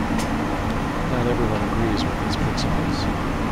Not everyone agrees with these principles.